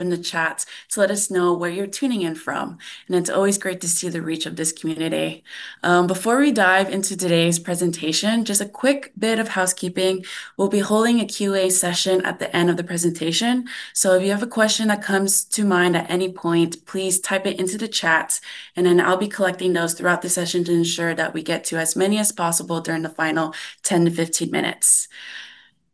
In the chat to let us know where you're tuning in from, and it's always great to see the reach of this community. Before we dive into today's presentation, just a quick bit of housekeeping. We'll be holding a Q&A session at the end of the presentation, so if you have a question that comes to mind at any point, please type it into the chat and then I'll be collecting those throughout the session to ensure that we get to as many as possible during the final 10-15 minutes.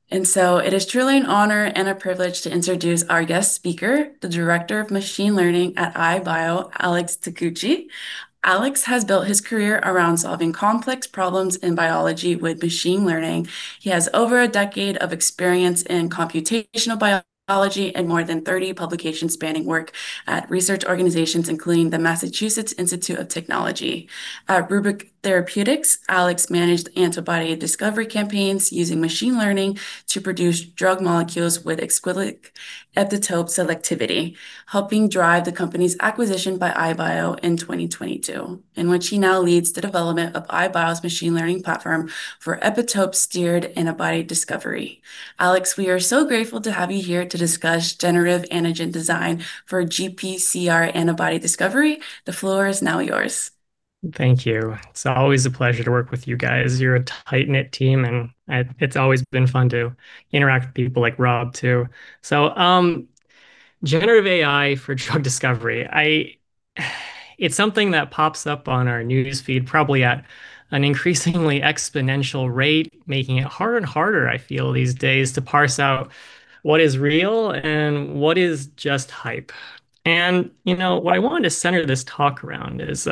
It is truly an honor and a privilege to introduce our guest speaker, the Director of Machine Learning at iBio, Alex Taguchi. Alex has built his career around solving complex problems in biology with machine learning. He has over a decade of experience in computational biology and more than 30 publications spanning work at research organizations, including the Massachusetts Institute of Technology. At RubrYc Therapeutics, Alex managed antibody discovery campaigns using Machine Learning to produce drug molecules with exquisite epitope selectivity, helping drive the company's acquisition by iBio in 2022, in which he now leads the development of iBio's machine learning platform for epitope-steered antibody discovery. Alex, we are so grateful to have you here to discuss Generative Antigen Design for GPCR Antibody Discovery. The floor is now yours. Thank you. It's always a pleasure to work with you guys. You're a tight-knit team, and it's always been fun to interact with people like Rob, too. Generative AI for drug discovery. It's something that pops up on our newsfeed probably at an increasingly exponential rate, making it harder and harder, I feel these days, to parse out what is real and what is just hype. What I wanted to center this talk around is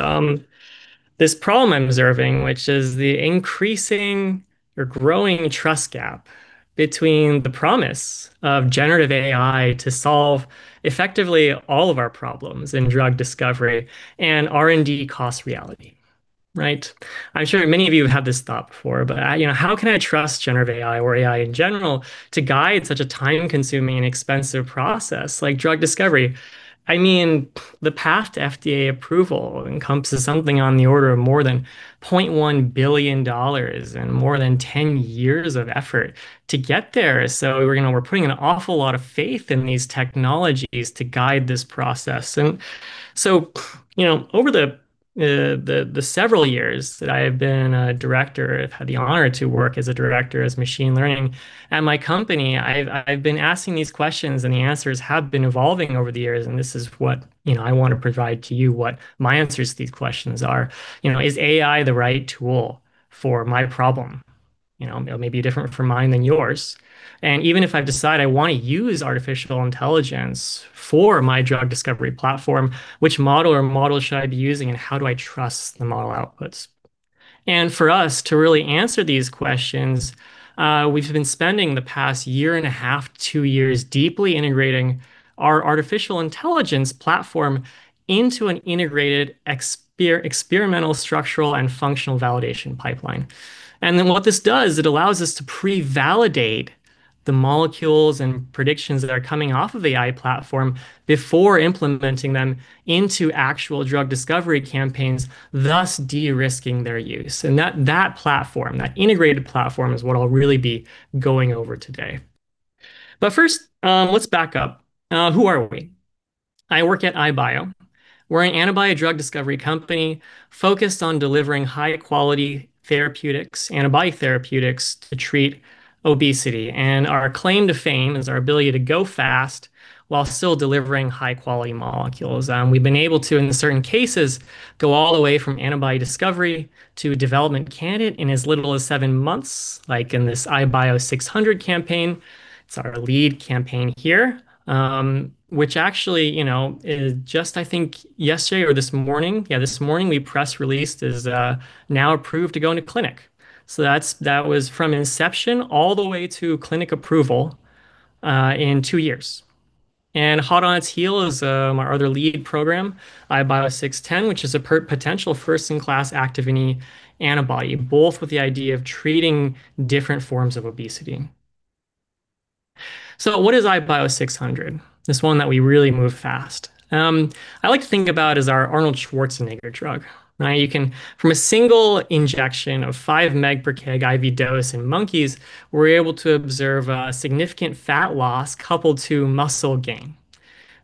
this problem I'm observing, which is the increasing or growing trust gap between the promise of generative AI to solve effectively all of our problems in drug discovery and R&D cost reality. Right? I'm sure many of you have had this thought before, but how can I trust generative AI or AI in general to guide such a time-consuming and expensive process like drug discovery? I mean, the path to FDA approval encompasses something on the order of more than $0.1 billion and more than 10 years of effort to get there. We're putting an awful lot of faith in these technologies to guide this process. Over the several years that I've been a Director, I've had the honor to work as a Director of Machine Learning at my company, I've been asking these questions, and the answers have been evolving over the years, and this is what I want to provide to you, what my answers to these questions are. Is AI the right tool for my problem? It may be different for mine than yours. Even if I decide I want to use artificial intelligence for my drug discovery platform, which model or models should I be using, and how do I trust the model outputs? For us to really answer these questions, we've been spending the past 1.5 year, two years, deeply integrating our artificial intelligence platform into an integrated experimental structural and functional validation pipeline. What this does, it allows us to pre-validate the molecules and predictions that are coming off of the AI platform before implementing them into actual drug discovery campaigns, thus de-risking their use. That platform, that integrated platform, is what I'll really be going over today. First, let's back up. Who are we? I work at iBio. We're an antibody drug discovery company focused on delivering high-quality therapeutics, antibody therapeutics, to treat obesity. Our claim to fame is our ability to go fast while still delivering high-quality molecules. We've been able to, in certain cases, go all the way from antibody discovery to development candidate in as little as seven months, like in this IBIO-600 campaign. It's our lead campaign here, which actually, just I think yesterday or this morning, yeah, this morning we press-released, is now approved to go into clinic. That was from inception all the way to clinic approval in two years. Hot on its heel is our other lead program, IBIO-610, which is a potential first-in-class Activin E antibody, both with the idea of treating different forms of obesity. What is IBIO-600? This one that we really move fast. I like to think about as our Arnold Schwarzenegger drug. Now, you can, from a single injection of 5 mg per kg IV dose in monkeys, we're able to observe a significant fat loss coupled to muscle gain,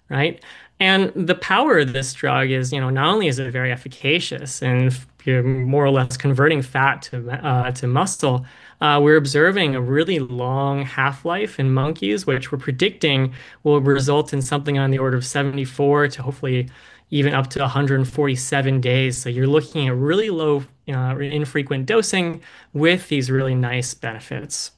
right? The power of this drug is, not only is it very efficacious and more or less converting fat to muscle, we're observing a really long half-life in monkeys, which we're predicting will result in something on the order of 74-147 days. You're looking at really low, infrequent dosing with these really nice benefits.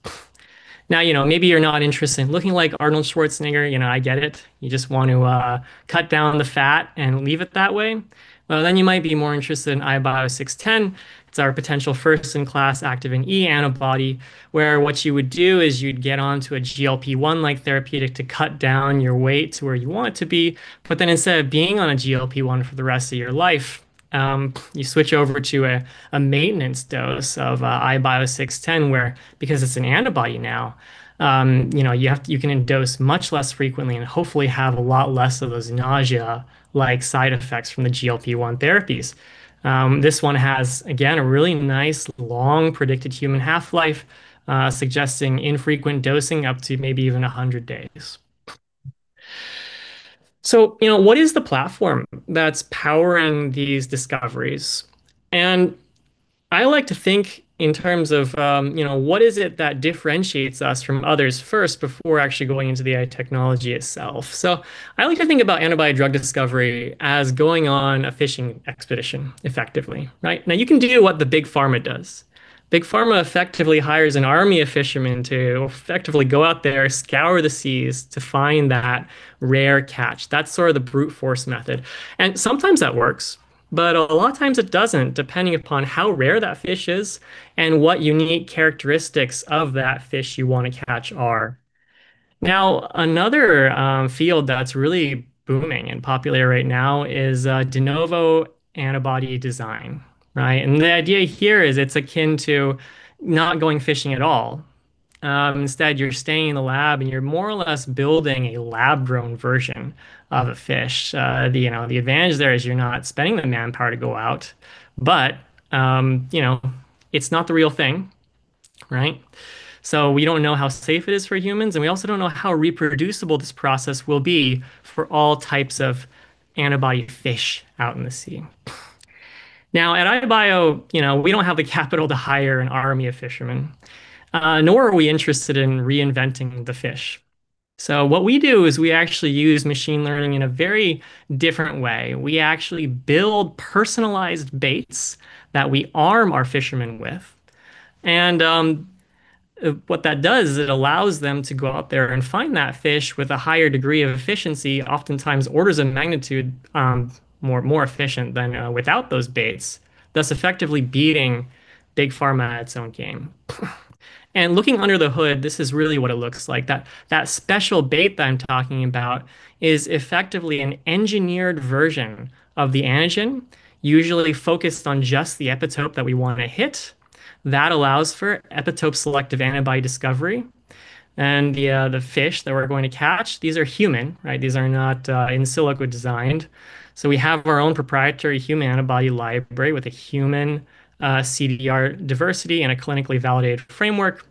Now, maybe you're not interested in looking like Arnold Schwarzenegger. I get it. You just want to cut down the fat and leave it that way. Well, then you might be more interested in IBIO-610. It's our potential first-in-class Activin E antibody, where what you would do is you'd get onto a GLP-1 like therapeutic to cut down your weight to where you want it to be, but then instead of being on a GLP-1 for the rest of your life, you switch over to a maintenance dose of IBIO-610, where, because it's an antibody now, you can dose much less frequently and hopefully have a lot less of those nausea-like side effects from the GLP-1 therapies. This one has, again, a really nice long predicted human half-life, suggesting infrequent dosing up to maybe even 100 days. What is the platform that's powering these discoveries? I like to think in terms of what is it that differentiates us from others first before actually going into the AI technology itself. I like to think about antibody drug discovery as going on a fishing expedition effectively. Right? Now you can do what the big pharma does. Big pharma effectively hires an army of fishermen to effectively go out there, scour the seas to find that rare catch. That's sort of the brute force method. Sometimes that works, but a lot of times it doesn't, depending upon how rare that fish is and what unique characteristics of that fish you want to catch are. Now, another field that's really booming and popular right now is de novo antibody design. Right? The idea here is it's akin to not going fishing at all. Instead, you're staying in the lab and you're more or less building a lab-grown version of a fish. The advantage there is you're not spending the manpower to go out, but it's not the real thing, right? We don't know how safe it is for humans, and we also don't know how reproducible this process will be for all types of antibody fish out in the sea. Now, at iBio, we don't have the capital to hire an army of fishermen, nor are we interested in reinventing the fish. What we do is we actually use machine learning in a very different way. We actually build personalized baits that we arm our fishermen with. What that does is it allows them to go out there and find that fish with a higher degree of efficiency, oftentimes orders of magnitude more efficient than without those baits, thus effectively beating big pharma at its own game. Looking under the hood, this is really what it looks like. That special bait that I'm talking about is effectively an engineered version of the antigen, usually focused on just the epitope that we want to hit. That allows for epitope selective antibody discovery. The fish that we're going to catch, these are human, right? These are not in silico designed. We have our own proprietary human antibody library with a human CDR diversity and a clinically validated framework.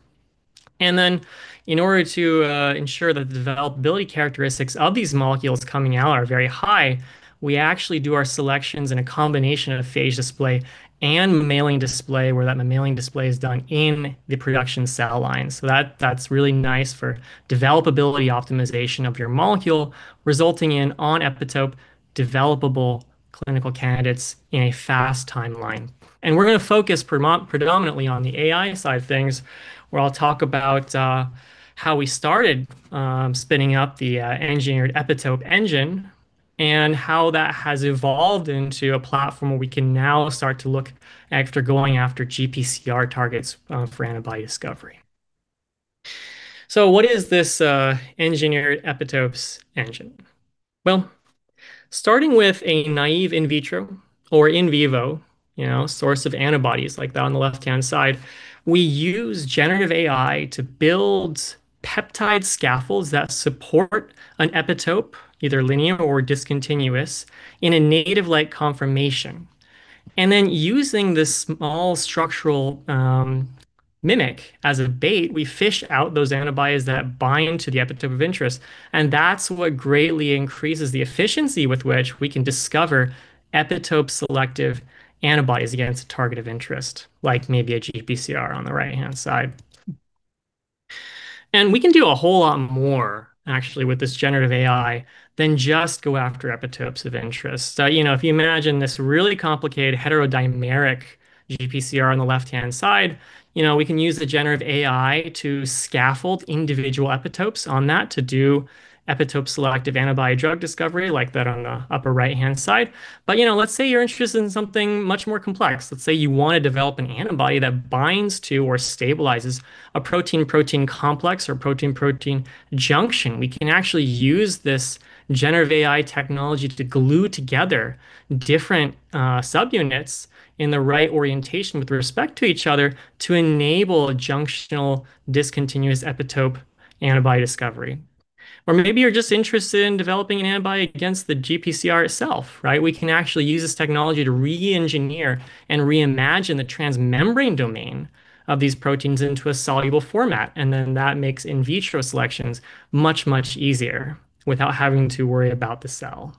Then in order to ensure that the developability characteristics of these molecules coming out are very high, we actually do our selections in a combination of a phage display and mammalian display, where that mammalian display is done in the production cell line. That's really nice for developability optimization of your molecule, resulting in on epitope developable clinical candidates in a fast timeline. We're going to focus predominantly on the AI side of things, where I'll talk about how we started spinning up the engineered epitope engine and how that has evolved into a platform where we can now start to look after going after GPCR targets for antibody discovery. What is this engineered epitopes engine? Well, starting with a naive in vitro or in vivo source of antibodies like that on the left-hand side, we use generative AI to build peptide scaffolds that support an epitope, either linear or discontinuous, in a native-like conformation. Then using this small structural mimic as a bait, we fish out those antibodies that bind to the epitope of interest, and that's what greatly increases the efficiency with which we can discover epitope selective antibodies against a target of interest, like maybe a GPCR on the right-hand side. We can do a whole lot more, actually, with this generative AI than just go after epitopes of interest. If you imagine this really complicated heterodimeric GPCR on the left-hand side, we can use the generative AI to scaffold individual epitopes on that to do epitope selective antibody drug discovery like that on the upper right-hand side. Let's say you're interested in something much more complex. Let's say you want to develop an antibody that binds to or stabilizes a protein-protein complex or protein-protein junction. We can actually use this generative AI technology to glue together different subunits in the right orientation with respect to each other to enable a junctional discontinuous epitope antibody discovery. Maybe you're just interested in developing an antibody against the GPCR itself, right? We can actually use this technology to re-engineer and reimagine the transmembrane domain of these proteins into a soluble format, and then that makes in vitro selections much, much easier without having to worry about the cell.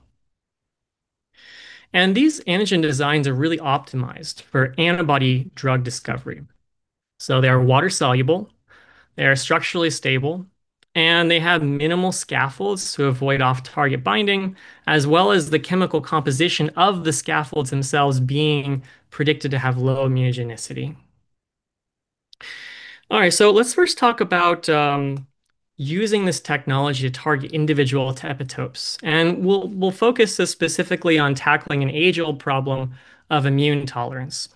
These antigen designs are really optimized for antibody drug discovery. They are water soluble, they are structurally stable, and they have minimal scaffolds to avoid off-target binding, as well as the chemical composition of the scaffolds themselves being predicted to have low immunogenicity. All right, let's first talk about using this technology to target individual epitopes. We'll focus this specifically on tackling an age-old problem of immune tolerance.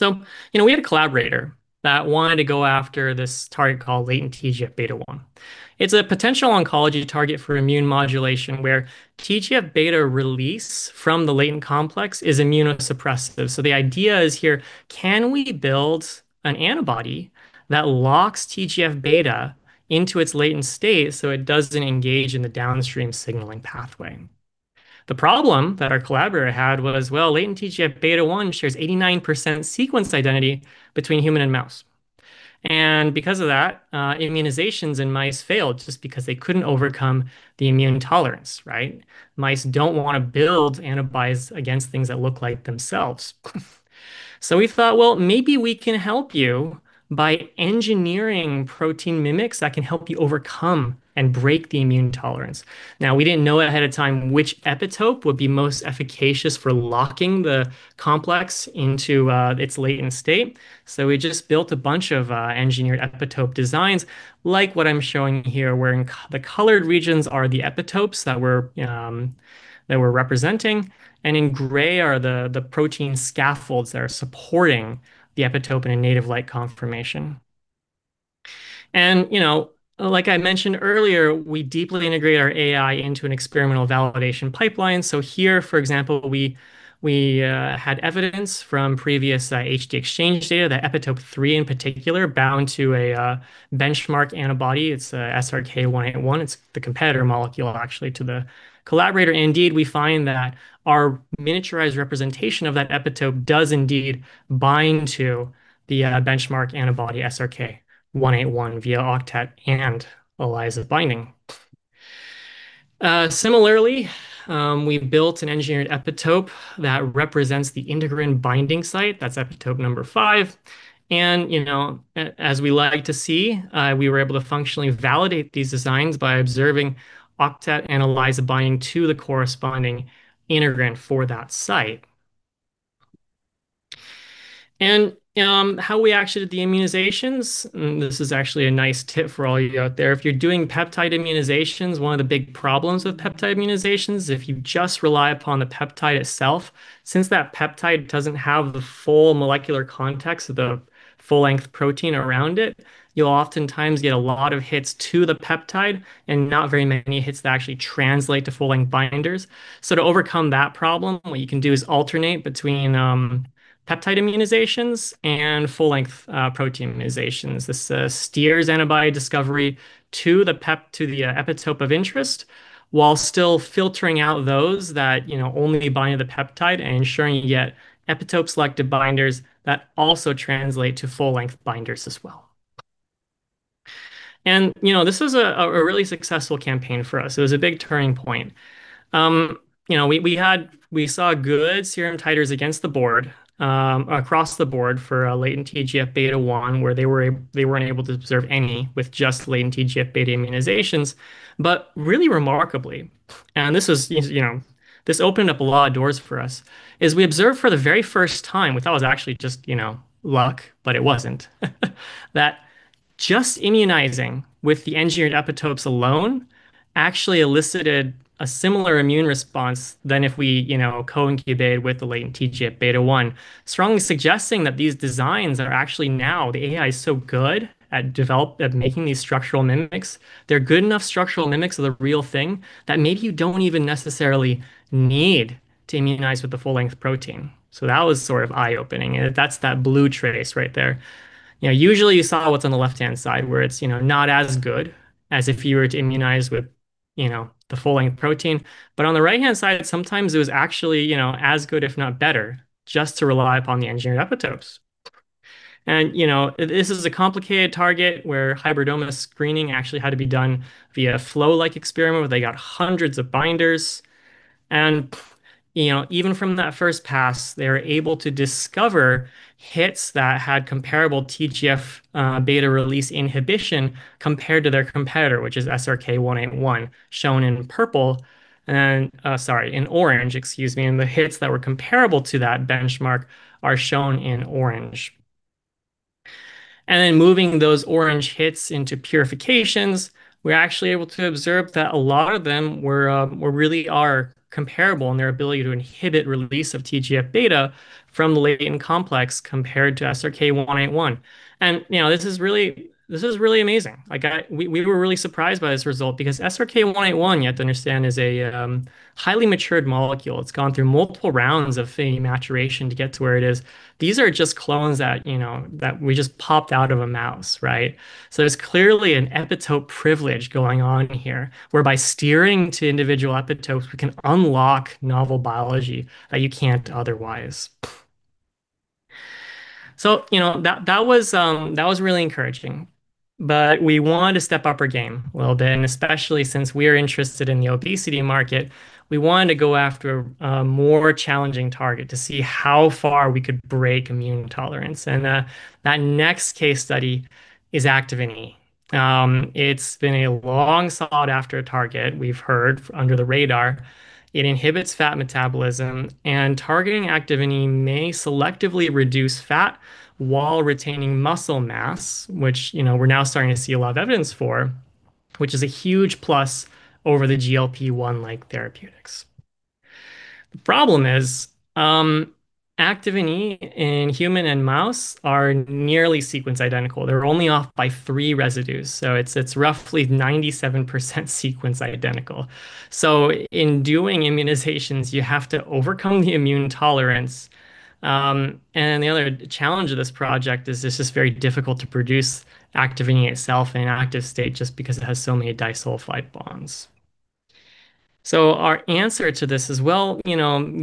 We had a collaborator that wanted to go after this target called latent TGF-beta 1. It's a potential oncology target for immune modulation, where TGF-beta release from the latent complex is immunosuppressive. The idea is here, can we build an antibody that locks TGF-beta into its latent state so it doesn't engage in the downstream signaling pathway? The problem that our collaborator had was, well, latent TGF-beta 1 shares 89% sequence identity between human and mouse. Because of that, immunizations in mice failed just because they couldn't overcome the immune tolerance, right? Mice don't want to build antibodies against things that look like themselves. We thought, well, maybe we can help you by engineering protein mimics that can help you overcome and break the immune tolerance. Now, we didn't know ahead of time which epitope would be most efficacious for locking the complex into its latent state, so we just built a bunch of engineered epitope designs like what I'm showing here, where the colored regions are the epitopes that we're representing, and in gray are the protein scaffolds that are supporting the epitope in a native-like conformation. Like I mentioned earlier, we deeply integrate our AI into an experimental validation pipeline. Here, for example, we had evidence from previous HD Exchange data that epitope 3 in particular bound to a benchmark antibody. It's SRK-181. It's the competitor molecule, actually, to the collaborator. Indeed, we find that our miniaturized representation of that epitope does indeed bind to the benchmark antibody, SRK-181, via Octet and ELISA binding. Similarly, we built an engineered epitope that represents the integrin binding site. That's epitope number 5. As we like to see, we were able to functionally validate these designs by observing Octet and ELISA binding to the corresponding integrin for that site. How we actually did the immunizations, and this is actually a nice tip for all you out there. If you're doing peptide immunizations, one of the big problems with peptide immunizations, if you just rely upon the peptide itself, since that peptide doesn't have the full molecular context of the full-length protein around it, you'll oftentimes get a lot of hits to the peptide and not very many hits that actually translate to full-length binders. To overcome that problem, what you can do is alternate between peptide immunizations and full-length protein immunizations. This steers antibody discovery to the epitope of interest while still filtering out those that only bind to the peptide and ensuring you get epitope-selected binders that also translate to full-length binders as well. This was a really successful campaign for us. It was a big turning point. We saw good serum titers across the board for latent TGF- beta 1, where they weren't able to observe any with just latent TGF-beta immunizations. Really remarkably, and this opened up a lot of doors for us, is we observed for the very first time, we thought it was actually just luck, but it wasn't that just immunizing with the engineered epitopes alone actually elicited a similar immune response to if we co-incubated with the latent TGF-beta 1. Strongly suggesting that these designs are actually now, the AI is so good at making these structural mimics. They're good enough structural mimics of the real thing that maybe you don't even necessarily need to immunize with the full-length protein. That was sort of eye-opening. That's that blue trace right there. Usually, you saw what's on the left-hand side, where it's not as good as if you were to immunize with the full-length protein. On the right-hand side, sometimes it was actually as good, if not better, just to rely upon the engineered epitopes. This is a complicated target where hybridoma screening actually had to be done via a flow-like experiment, where they got hundreds of binders. Even from that first pass, they were able to discover hits that had comparable TGF-beta release inhibition compared to their competitor, which is SRK-181, shown in purple. Sorry, in orange, excuse me. The hits that were comparable to that benchmark are shown in orange. Then moving those orange hits into purifications, we're actually able to observe that a lot of them really are comparable in their ability to inhibit release of TGF-beta from the latent complex compared to SRK-181. This is really amazing. We were really surprised by this result because SRK-181, you have to understand, is a highly matured molecule. It's gone through multiple rounds of maturation to get to where it is. These are just clones that we just popped out of a mouse, right? There's clearly an epitope privilege going on here, where by steering to individual epitopes, we can unlock novel biology that you can't otherwise. That was really encouraging. We want to step up our game a little bit, and especially since we're interested in the obesity market, we wanted to go after a more challenging target to see how far we could break immune tolerance, and that next case study is Activin E. It's been a long sought-after target, we've heard, under the radar. It inhibits fat metabolism, and targeting Activin E may selectively reduce fat while retaining muscle mass, which we're now starting to see a lot of evidence for, which is a huge plus over the GLP-1 like therapeutics. The problem is Activin E in human and mouse are nearly sequence identical. They're only off by three residues, so it's roughly 97% sequence identical. In doing immunizations, you have to overcome the immune tolerance. The other challenge of this project is it's just very difficult to produce Activin E itself in an active state just because it has so many disulfide bonds. Our answer to this is, well,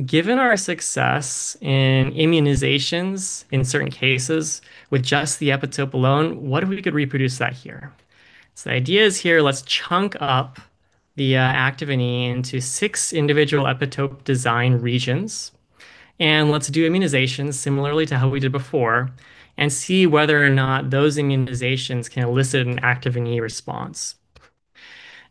given our success in immunizations in certain cases with just the epitope alone, what if we could reproduce that here? The idea is here, let's chunk up the Activin E into six individual epitope design regions, and let's do immunizations similarly to how we did before and see whether or not those immunizations can elicit an Activin E response.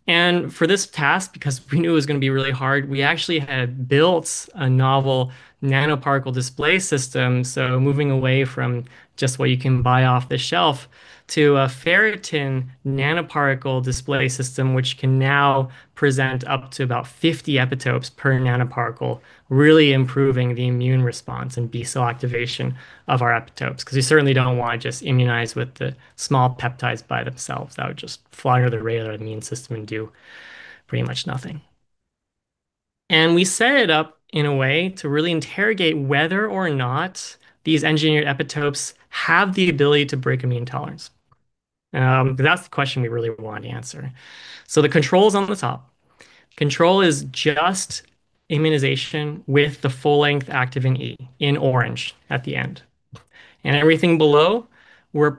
For this task, because we knew it was going to be really hard, we actually had built a novel nanoparticle display system. Moving away from just what you can buy off the shelf to a ferritin nanoparticle display system, which can now present up to about 50 epitopes per nanoparticle, really improving the immune response and B cell activation of our epitopes. Because we certainly don't want to just immunize with the small peptides by themselves. That would just flag the regular immune system and do pretty much nothing. We set it up in a way to really interrogate whether or not these engineered epitopes have the ability to break immune tolerance. Because that's the question we really want to answer. The control is on the top. Control is just immunization with the full-length Activin E in orange at the end. Everything below, we're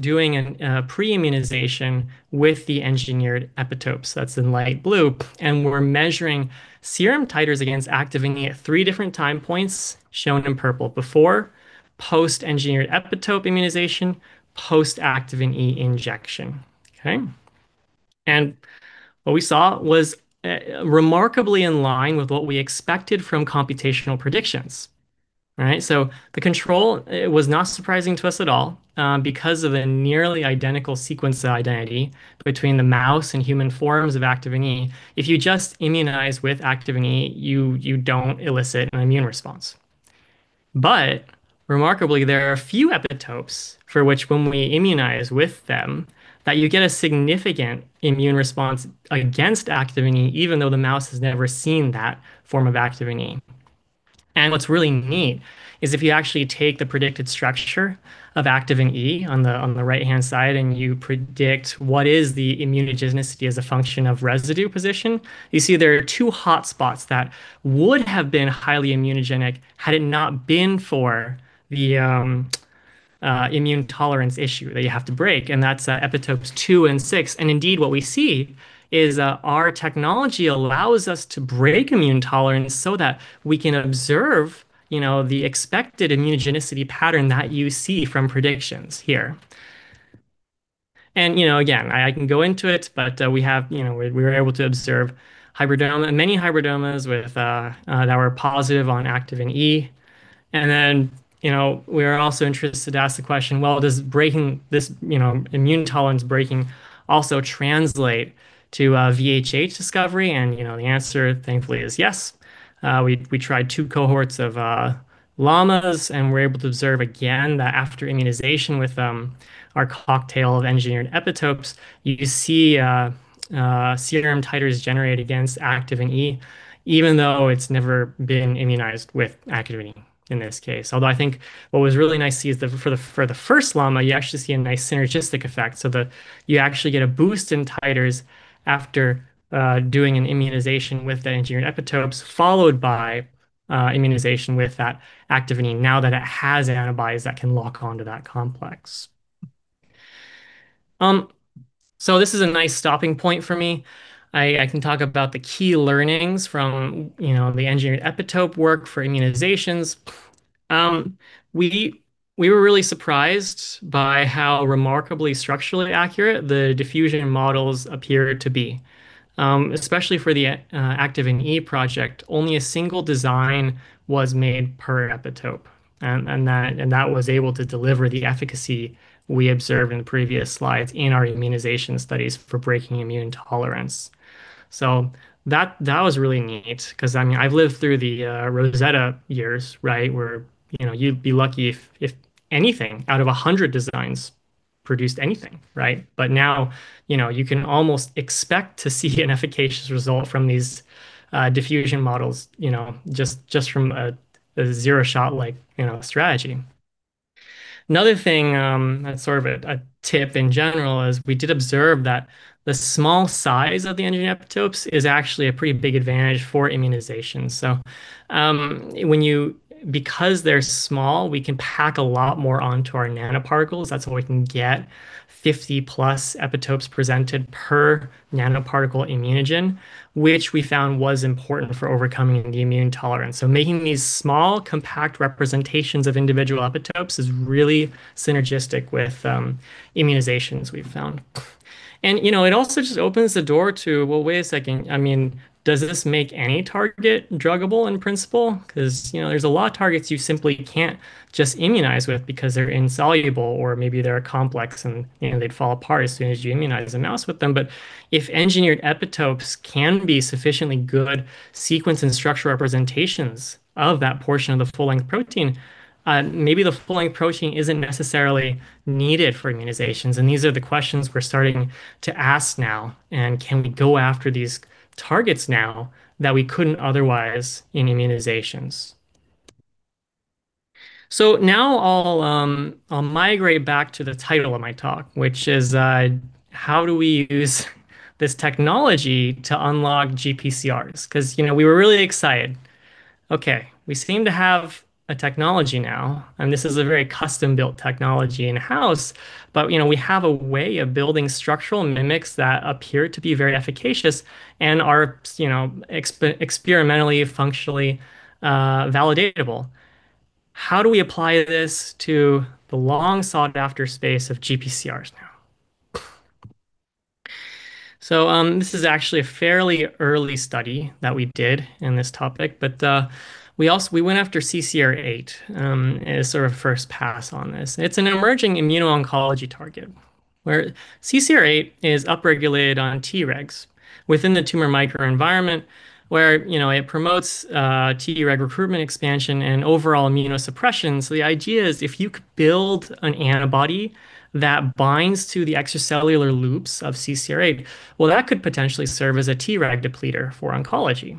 doing a pre-immunization with the engineered epitopes that's in light blue, and we're measuring serum titers against Activin E at three different time points shown in purple before post-engineered epitope immunization, post-Activin E injection. Okay? What we saw was remarkably in line with what we expected from computational predictions. All right? The control was not surprising to us at all because of the nearly identical sequence identity between the mouse and human forms of Activin E. If you just immunize with Activin E, you don't elicit an immune response. Remarkably, there are a few epitopes for which when we immunize with them, that you get a significant immune response against Activin E, even though the mouse has never seen that form of Activin E. What's really neat is if you actually take the predicted structure of Activin E on the right-hand side, and you predict what is the immunogenicity as a function of residue position, you see there are two hotspots that would have been highly immunogenic had it not been for the immune tolerance issue that you have to break, and that's epitopes 2 and 6. Indeed, what we see is our technology allows us to break immune tolerance so that we can observe the expected immunogenicity pattern that you see from predictions here. Again, I can go into it, but we were able to observe many hybridomas that were positive on Activin E. We were also interested to ask the question, well, does this immune tolerance breaking also translate to VHH discovery? The answer, thankfully, is yes. We tried 2 cohorts of llamas, and we were able to observe again that after immunization with our cocktail of engineered epitopes, you see serum titers generate against Activin E, even though it's never been immunized with Activin E in this case. Although I think what was really nice to see is for the first llama, you actually see a nice synergistic effect so that you actually get a boost in titers after doing an immunization with the engineered epitopes, followed by immunization with that Activin E, now that it has antibodies that can lock onto that complex. This is a nice stopping point for me. I can talk about the key learnings from the engineered epitope work for immunizations. We were really surprised by how remarkably structurally accurate the diffusion models appeared to be, especially for the Activin E project. Only a single design was made per epitope, and that was able to deliver the efficacy we observed in the previous slides in our immunization studies for breaking immune tolerance. That was really neat because I've lived through the Rosetta years, right? Where you'd be lucky if anything out of 100 designs produced anything, right? Now you can almost expect to see an efficacious result from these diffusion models just from a zero-shot strategy. Another thing that's sort of a tip in general is we did observe that the small size of the engineered epitopes is actually a pretty big advantage for immunization. Because they're small, we can pack a lot more onto our nanoparticles. That's why we can get 50+ epitopes presented per nanoparticle immunogen, which we found was important for overcoming the immune tolerance. Making these small, compact representations of individual epitopes is really synergistic with immunizations, we've found. It also just opens the door to, well, wait a second. Does this make any target druggable in principle? Because there's a lot of targets you simply can't just immunize with because they're insoluble or maybe they're complex, and they'd fall apart as soon as you immunize a mouse with them. But if engineered epitopes can be sufficiently good sequence and structure representations of that portion of the full-length protein, maybe the full-length protein isn't necessarily needed for immunizations, and these are the questions we're starting to ask now, and can we go after these targets now that we couldn't otherwise in immunizations? Now I'll migrate back to the title of my talk, which is, how do we use this technology to unlock GPCRs? Because we were really excited. Okay. We seem to have a technology now, and this is a very custom-built technology in-house. We have a way of building structural mimics that appear to be very efficacious and are experimentally, functionally validatable. How do we apply this to the long sought-after space of GPCRs now? This is actually a fairly early study that we did in this topic. We went after CCR8 as sort of first pass on this. It's an emerging immuno-oncology target where CCR8 is upregulated on Tregs within the tumor microenvironment, where it promotes Treg recruitment expansion and overall immunosuppression. The idea is if you could build an antibody that binds to the extracellular loops of CCR8, well, that could potentially serve as a Treg depleter for oncology.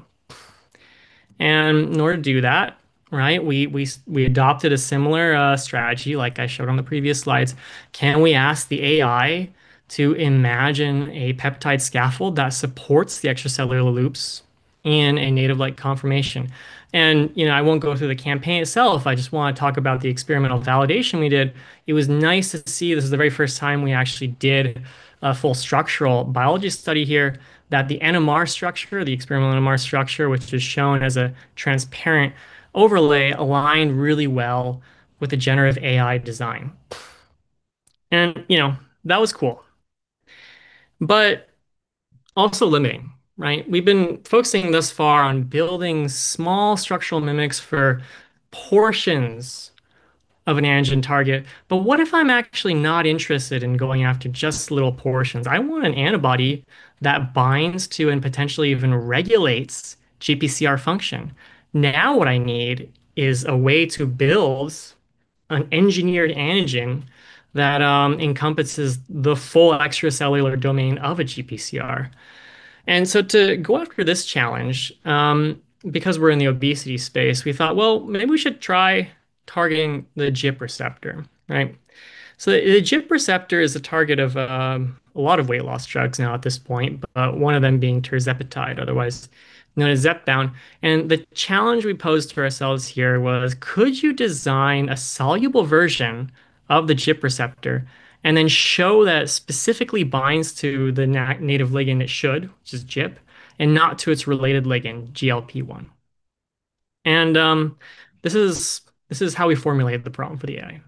In order to do that, right, we adopted a similar strategy like I showed on the previous slides. Can we ask the AI to imagine a peptide scaffold that supports the extracellular loops in a native-like conformation? I won't go through the campaign itself, I just want to talk about the experimental validation we did. It was nice to see this is the very first time we actually did a full structural biology study here that the NMR structure, the experimental NMR structure, which is shown as a transparent overlay, aligned really well with the generative AI design. That was cool, but also limiting, right? We've been focusing thus far on building small structural mimics for portions of an antigen target. What if I'm actually not interested in going after just little portions? I want an antibody that binds to and potentially even regulates GPCR function. Now what I need is a way to build an engineered antigen that encompasses the full extracellular domain of a GPCR. To go after this challenge, because we're in the obesity space, we thought, well, maybe we should try targeting the GIP receptor, right? The GIP receptor is a target of a lot of weight loss drugs now at this point, but one of them being tirzepatide, otherwise known as Zepbound. The challenge we posed for ourselves here was, could you design a soluble version of the GIP receptor and then show that it specifically binds to the native ligand it should, which is GIP, and not to its related ligand, GLP-1. This is how we formulate the problem for the AI.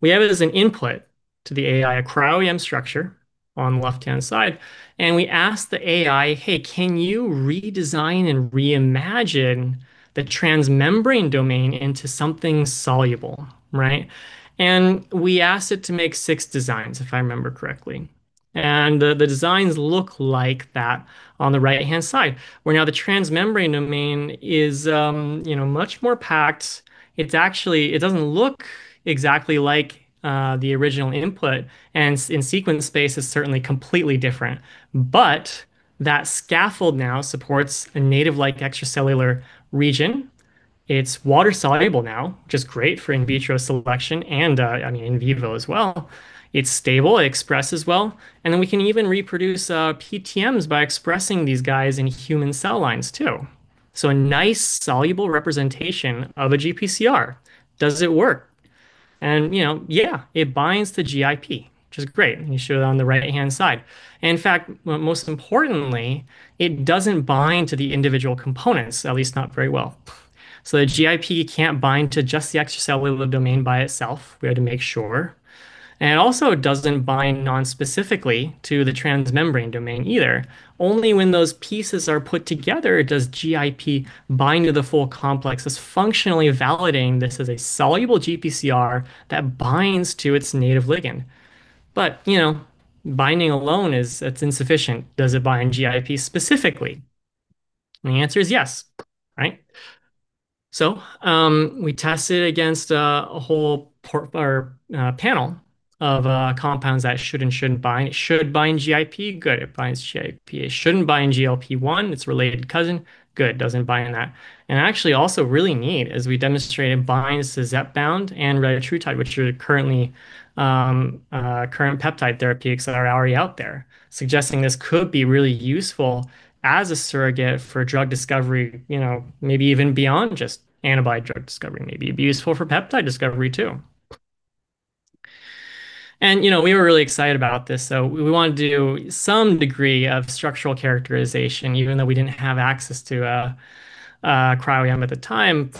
We have it as an input to the AI, a cryo-EM structure on the left-hand side, and we ask the AI, "Hey, can you redesign and reimagine the transmembrane domain into something soluble?" Right? We asked it to make six designs, if I remember correctly. The designs look like that on the right-hand side, where now the transmembrane domain is much more packed. It doesn't look exactly like the original input and in sequence space is certainly completely different. That scaffold now supports a native-like extracellular region. It's water-soluble now, which is great for in vitro selection and in vivo as well. It's stable, it expresses well, and then we can even reproduce PTMs by expressing these guys in human cell lines too. A nice soluble representation of a GPCR. Does it work? Yeah, it binds to GIP, which is great, and we show it on the right-hand side. In fact, most importantly, it doesn't bind to the individual components, at least not very well. The GIP can't bind to just the extracellular domain by itself. We had to make sure. It also doesn't bind non-specifically to the transmembrane domain either. Only when those pieces are put together does GIP bind to the full complex, thus functionally validating this as a soluble GPCR that binds to its native ligand. Binding alone, it's insufficient. Does it bind GIP specifically? The answer is yes. Right? We tested against a whole panel of compounds that should and shouldn't bind. It should bind GIP. Good, it binds GIP. It shouldn't bind GLP-1, its related cousin. Good, it doesn't bind to that. Actually, also really neat is we demonstrated it binds to Zepbound and retatrutide, which are current peptide therapeutics that are already out there, suggesting this could be really useful as a surrogate for drug discovery, maybe even beyond just antibody drug discovery. Maybe it'd be useful for peptide discovery too. We were really excited about this. We want to do some degree of structural characterization, even though we didn't have access to a cryo-EM at the time.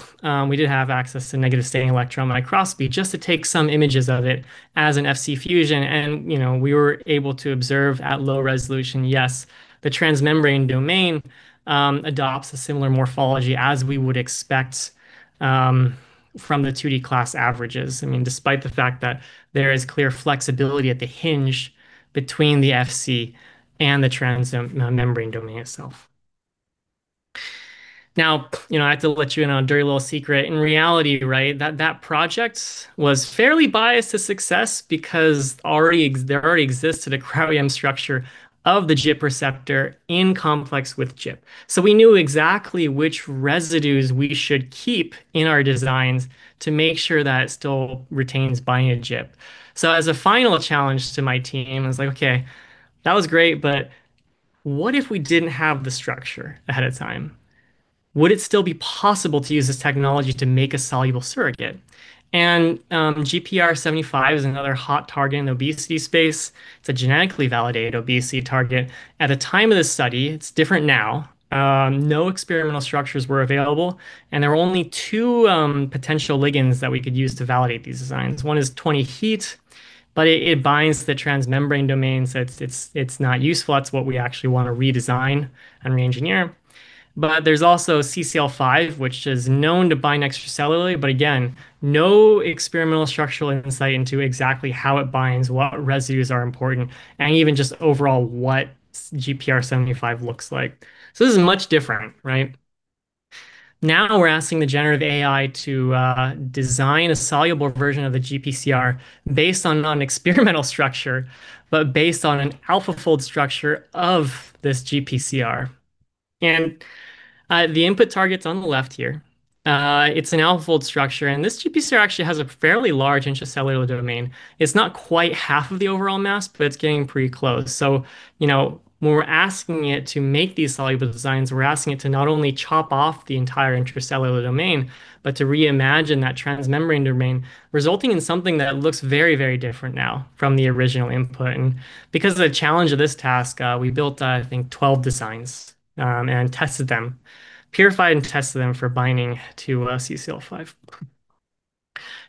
We did have access to negative stain electron microscopy just to take some images of it as an FC fusion. We were able to observe at low resolution, yes, the transmembrane domain adopts a similar morphology as we would expect from the 2D class averages. Despite the fact that there is clear flexibility at the hinge between the FC and the transmembrane domain itself. Now, I have to let you in on a dirty little secret. In reality, right, that project was fairly biased to success because there already existed a cryo-EM structure of the GIP receptor in complex with GIP. So we knew exactly which residues we should keep in our designs to make sure that it still retains binding GIP. So as a final challenge to my team, I was like, "Okay, that was great, but what if we didn't have the structure ahead of time? Would it still be possible to use this technology to make a soluble surrogate?" GPR75 is another hot target in the obesity space. It's a genetically validated obesity target. At the time of this study, it's different now, no experimental structures were available, and there were only two potential ligands that we could use to validate these designs. One is 20, but it binds the transmembrane domain, so it's not useful. That's what we actually want to redesign and re-engineer. There's also CCL5, which is known to bind extracellularly, but again, no experimental structural insight into exactly how it binds, what residues are important, and even just overall what GPR75 looks like. This is much different, right? Now we're asking the generative AI to design a soluble version of the GPCR based on an experimental structure, but based on an AlphaFold structure of this GPCR. The input target's on the left here. It's an AlphaFold structure, and this GPCR actually has a fairly large intracellular domain. It's not quite half of the overall mass, but it's getting pretty close. When we're asking it to make these soluble designs, we're asking it to not only chop off the entire intracellular domain, but to reimagine that transmembrane domain, resulting in something that looks very, very different now from the original input. Because of the challenge of this task, we built, I think, 12 designs, purified and tested them for binding to CCL5.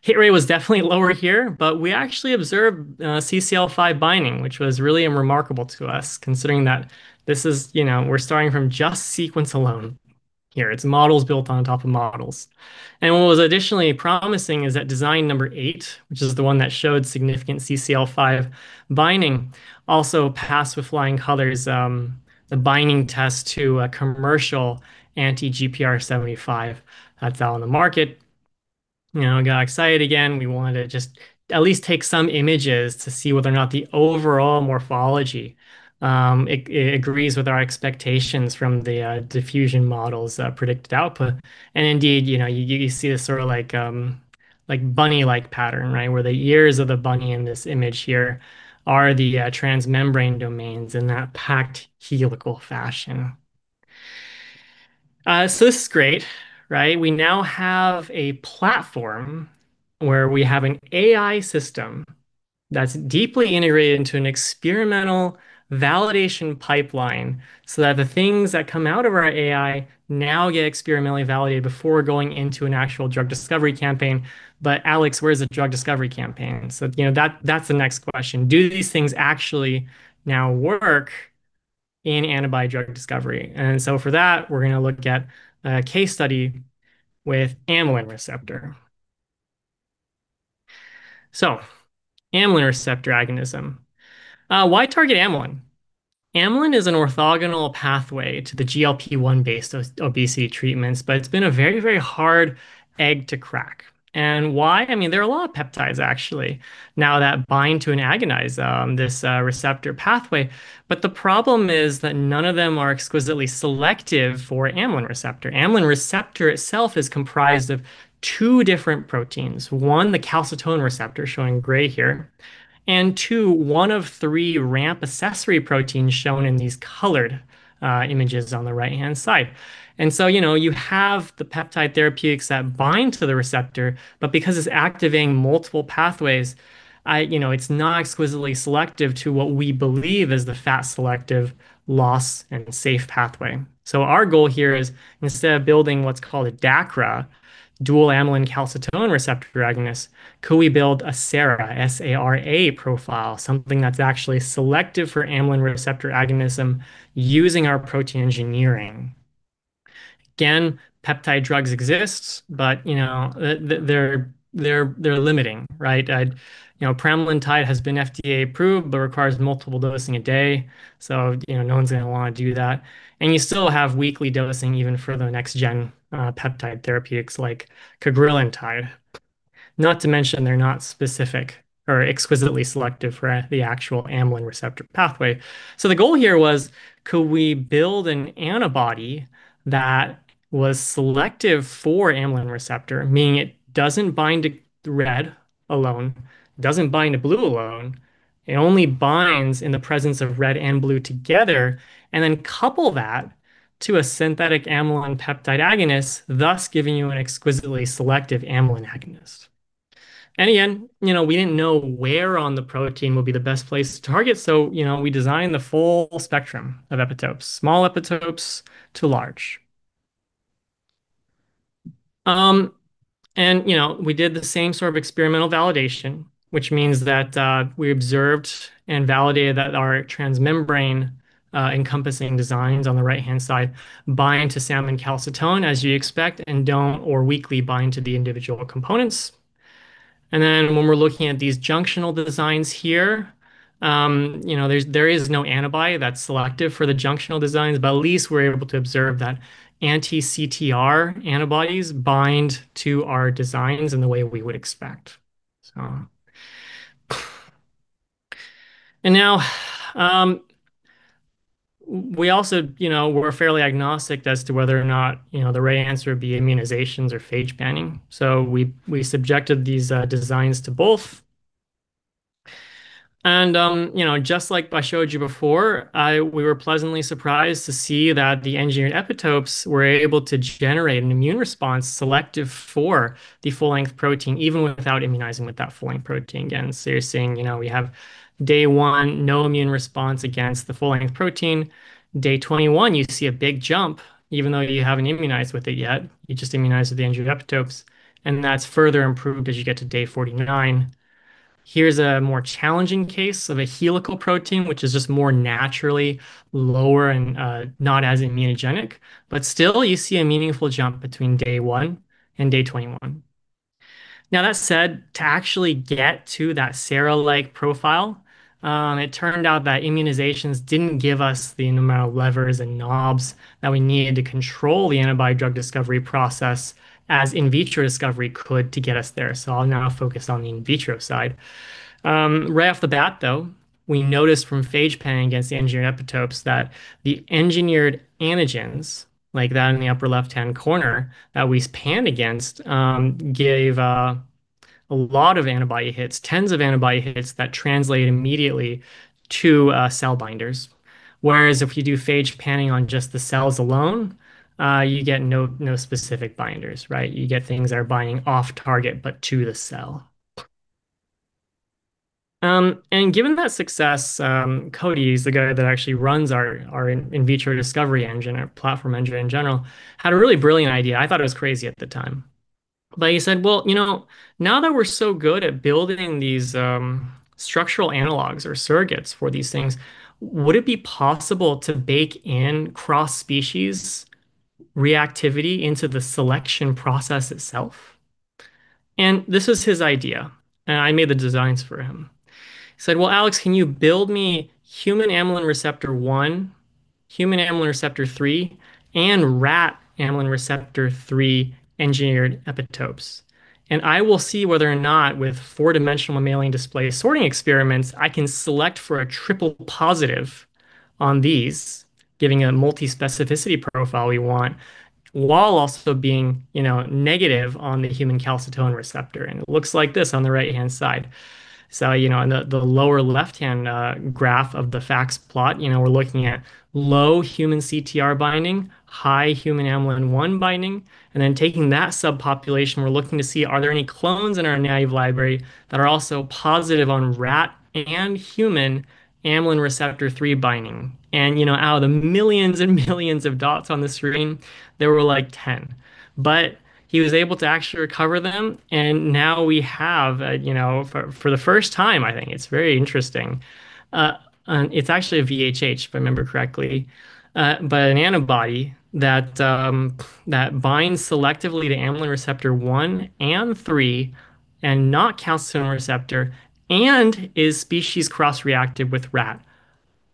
Hit rate was definitely lower here, but we actually observed CCL5 binding, which was really remarkable to us, considering that we're starting from just sequence alone here. It's models built on top of models. What was additionally promising is that design number eight, which is the one that showed significant CCL5 binding, also passed with flying colors the binding test to a commercial anti-GPR75 that's out on the market. We got excited again. We wanted to just at least take some images to see whether or not the overall morphology agrees with our expectations from the diffusion model's predicted output. Indeed, you see this sort of bunny-like pattern, right? Where the ears of the bunny in this image here are the transmembrane domains in that packed helical fashion. This is great, right? We now have a platform where we have an AI system that's deeply integrated into an experimental validation pipeline so that the things that come out of our AI now get experimentally validated before going into an actual drug discovery campaign. Alex, where is the drug discovery campaign? That's the next question. Do these things actually now work in antibody drug discovery? For that, we're going to look at a case study with amylin receptor agonism. Why target amylin? Amylin is an orthogonal pathway to the GLP-1 based obesity treatments, but it's been a very, very hard egg to crack. Why? I mean, there are a lot of peptides actually now that bind to and agonize this receptor pathway. The problem is that none of them are exquisitely selective for amylin receptor. Amylin receptor itself is comprised of two different proteins. One, the calcitonin receptor, showing gray here, and two, one of three ramp accessory proteins shown in these colored images on the right-hand side. You have the peptide therapeutics that bind to the receptor, but because it's activating multiple pathways, it's not exquisitely selective to what we believe is the fat selective loss and safe pathway. Our goal here is instead of building what's called a DACRA, dual amylin and calcitonin receptor agonist, could we build a SARA, S-A-R-A, profile, something that's actually selective amylin receptor agonists using our protein engineering. Again, peptide drugs exist, but they're limiting, right? pramlintide has been FDA approved but requires multiple dosing a day, so no one's going to want to do that. You still have weekly dosing even for the next gen peptide therapeutics like cagrilintide. Not to mention they're not specific or exquisitely selective for the actual amylin receptor pathway. The goal here was, could we build an antibody that was selective for amylin receptor, meaning it doesn't bind to red alone, doesn't bind to blue alone. It only binds in the presence of red and blue together, and then couple that to a synthetic amylin peptide agonist, thus giving you an exquisitely selective amylin agonist. Again, we didn't know where on the protein would be the best place to target, so we designed the full spectrum of epitopes, small epitopes to large. We did the same sort of experimental validation, which means that we observed and validated that our transmembrane encompassing designs on the right-hand side bind to salmon calcitonin as you expect, and don't or weakly bind to the individual components. Then when we're looking at these junctional designs here, there is no antibody that's selective for the junctional designs. At least we're able to observe that anti-CTR antibodies bind to our designs in the way we would expect. Now, we're fairly agnostic as to whether or not the right answer would be immunizations or phage panning. We subjected these designs to both. Just like I showed you before, we were pleasantly surprised to see that the engineered epitopes were able to generate an immune response selective for the full-length protein, even without immunizing with that full-length protein. Again, so you're seeing we have day one, no immune response against the full-length protein. Day 21, you see a big jump even though you haven't immunized with it yet. You just immunized with the engineered epitopes, and that's further improved as you get to day 49. Here's a more challenging case of a helical protein, which is just more naturally lower and not as immunogenic. Still, you see a meaningful jump between day one and day 21. Now, that said, to actually get to that SARA-like profile, it turned out that immunizations didn't give us the amount of levers and knobs that we needed to control the antibody drug discovery process as in vitro discovery could to get us there. I'll now focus on the in vitro side. Right off the bat, though, we noticed from phage panning against the engineered epitopes that the engineered antigens like that in the upper left-hand corner that we panned against gave a lot of antibody hits, tens of antibody hits that translate immediately to cell binders. Whereas if you do phage panning on just the cells alone, you get no specific binders, right? You get things that are binding off target, but to the cell. Given that success, Cody's the guy that actually runs our in vitro discovery engine, our platform engine in general, had a really brilliant idea. I thought it was crazy at the time. He said, "Well, now that we're so good at building these structural analogs or surrogates for these things, would it be possible to bake in cross-species reactivity into the selection process itself?" This was his idea, and I made the designs for him. He said, "Well, Alex, can you build me human amylin receptor 1, human amylin receptor 3, and rat amylin receptor 3 engineered epitopes? And I will see whether or not with four-dimensional mammalian display sorting experiments, I can select for a triple positive on these, giving a multi-specificity profile we want, while also being negative on the human calcitonin receptor." It looks like this on the right-hand side. In the lower left-hand graph of the FACS plot, we're looking at low human CTR binding, high human amylin-1 binding, and then taking that subpopulation, we're looking to see are there any clones in our naive library that are also positive on rat and human amylin receptor three binding. Out of the millions and millions of dots on the screen, there were 10. He was able to actually recover them, and now we have for the first time, I think, it's very interesting. It's actually a VHH, if I remember correctly, but an antibody that binds selectively to amylin receptor one and three and not calcitonin receptor and is species cross-reactive with rat,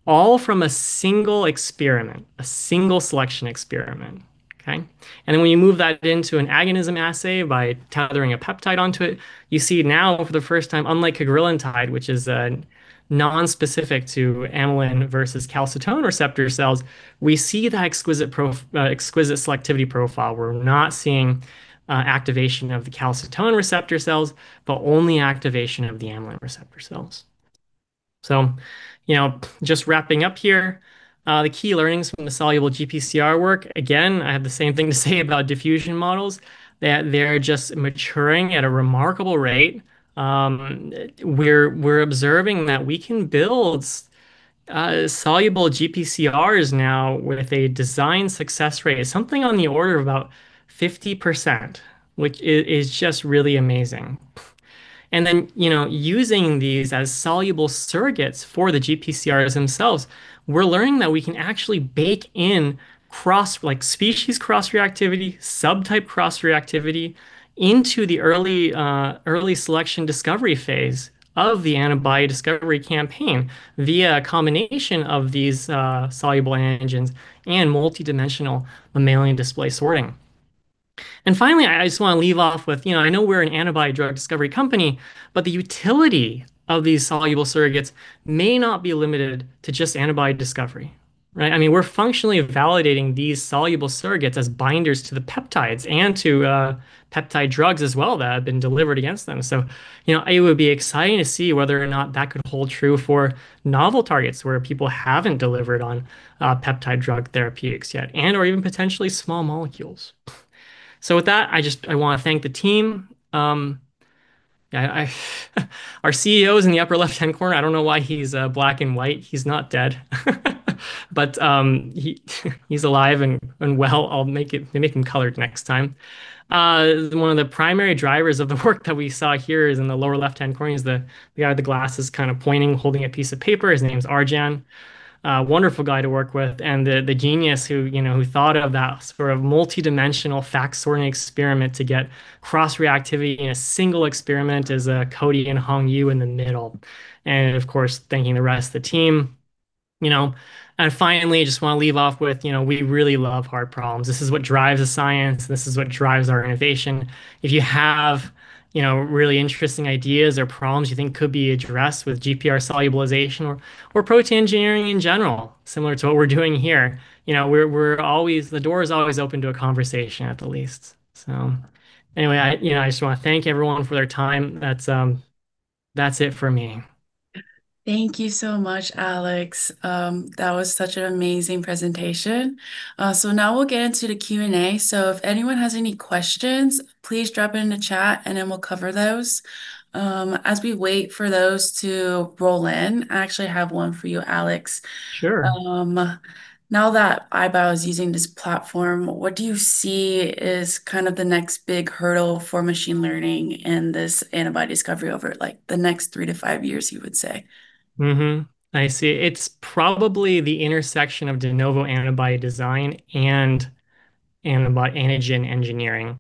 all from a single experiment, a single selection experiment. Okay? When you move that into an agonism assay by tethering a peptide onto it, you see now for the first time, unlike a cagrilintide, which is nonspecific to amylin versus calcitonin receptor cells, we see that exquisite selectivity profile. We're not seeing activation of the calcitonin receptor cells, but only activation of the amylin receptor cells. Just wrapping up here, the key learnings from the soluble GPCR work, again, I have the same thing to say about diffusion models, that they're just maturing at a remarkable rate. We're observing that we can build soluble GPCRs now with a design success rate of something on the order of about 50%, which is just really amazing. Using these as soluble surrogates for the GPCRs themselves, we're learning that we can actually bake in species cross-reactivity, subtype cross-reactivity, into the early selection discovery phase of the antibody discovery campaign via a combination of these soluble antigens and multi-dimensional mammalian display sorting. Finally, I just want to leave off with, I know we're an antibody drug discovery company, but the utility of these soluble surrogates may not be limited to just antibody discovery, right? I mean, we're functionally validating these soluble surrogates as binders to the peptides and to peptide drugs as well that have been delivered against them. With that, I want to thank the team. Our CEO is in the upper left-hand corner. I don't know why he's black and white. He's not dead. But he's alive and well. I'll make him colored next time. One of the primary drivers of the work that we saw here is in the lower left-hand corner. He's the guy with the glasses kind of pointing, holding a piece of paper. His name is Arjan. A wonderful guy to work with. The genius who thought of that sort of multi-dimensional FACS sorting experiment to get cross-reactivity in a single experiment is Cody and Hongyu in the middle. Of course, thanking the rest of the team. You know, finally, I just want to leave off with we really love hard problems. This is what drives the science, this is what drives our innovation. If you have really interesting ideas or problems you think could be addressed with GPCR solubilization or protein engineering in general, similar to what we're doing here, the door is always open to a conversation at the least. Anyway, I just want to thank everyone for their time. That's it for me. Thank you so much, Alex. That was such an amazing presentation. Now we'll get into the Q&A, so if anyone has any questions, please drop it in the chat and then we'll cover those. As we wait for those to roll in, I actually have one for you, Alex. Sure. Now that iBio is using this platform, what do you see as kind of the next big hurdle for machine learning in this antibody discovery over the next three to five years, you would say? It's probably the intersection of de novo antibody design and antibody antigen engineering.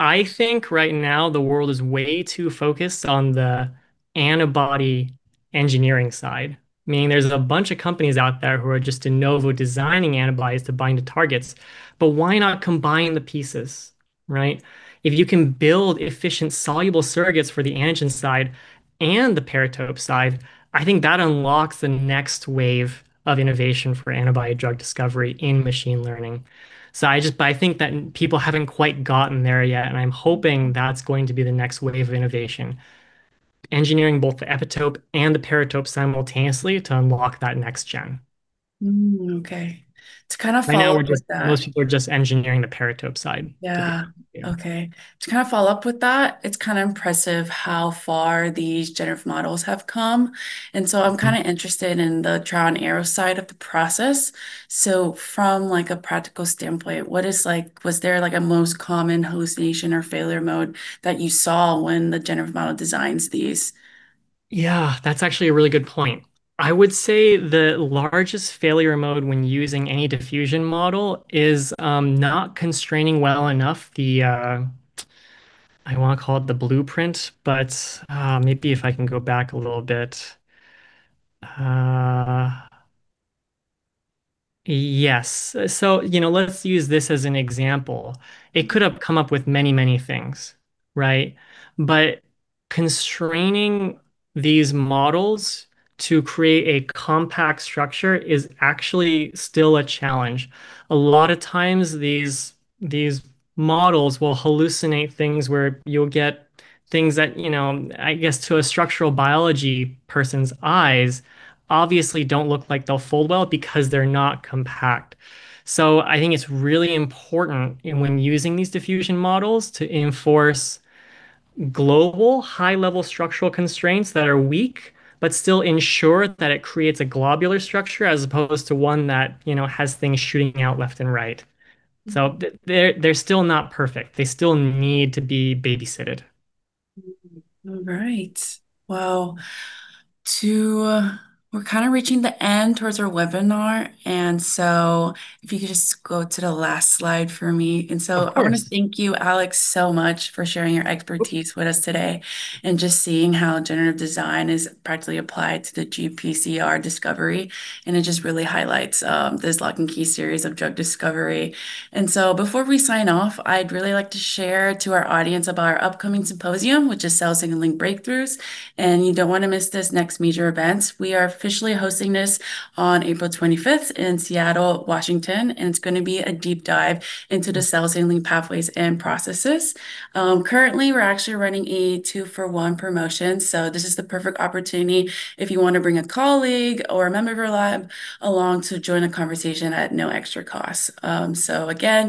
I think right now the world is way too focused on the antibody engineering side, meaning there's a bunch of companies out there who are just de novo designing antibodies to bind to targets. Why not combine the pieces, right? If you can build efficient soluble surrogates for the antigen side and the paratope side, I think that unlocks the next wave of innovation for antibody drug discovery in machine learning. I think that people haven't quite gotten there yet, and I'm hoping that's going to be the next wave of innovation, engineering both the epitope and the paratope simultaneously to unlock that next gen. Okay. To kind of follow up with that. Right now most people are just engineering the paratope side. Yeah. Yeah. Okay. To kind of follow up with that, it's kind of impressive how far these generative models have come, and so I'm kind of interested in the trial and error side of the process. From a practical standpoint, was there a most common hallucination or failure mode that you saw when the generative model designs these? Yeah. That's actually a really good point. I would say the largest failure mode when using any diffusion model is not constraining well enough the, I want to call it the blueprint, but maybe if I can go back a little bit. Yes. Let's use this as an example. It could have come up with many things, right? Constraining these models to create a compact structure is actually still a challenge. A lot of times, these models will hallucinate things where you'll get things that, I guess to a structural biology person's eyes, obviously don't look like they'll fold well because they're not compact. I think it's really important when using these diffusion models to enforce global high-level structural constraints that are weak but still ensure that it creates a globular structure as opposed to one that has things shooting out left and right. They're still not perfect. They still need to be babysat. All right. Well, we're kind of reaching the end towards our webinar, and so if you could just go to the last slide for me. Of course. I want to thank you, Alex, so much for sharing your expertise with us today and just seeing how generative design is practically applied to the GPCR discovery. It just really highlights this lock-and-key series of drug discovery. Before we sign off, I'd really like to share to our audience about our upcoming symposium, which is Cell Signaling Breakthroughs, and you don't want to miss this next major event. We are officially hosting this on April 25th in Seattle, Washington, and it's going to be a deep dive into the cell signaling pathways and processes. Currently, we're actually running a two-for-one promotion, so this is the perfect opportunity if you want to bring a colleague or a member of your lab along to join the conversation at no extra cost.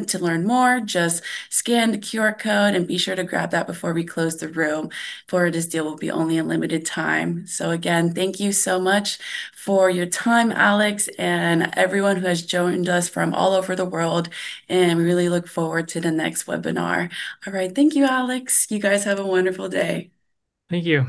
To learn more, just scan the QR code and be sure to grab that before we close the room, for this deal will be only a limited time. Thank you so much for your time, Alex, and everyone who has joined us from all over the world, and we really look forward to the next webinar. All right. Thank you, Alex. You guys have a wonderful day. Thank you.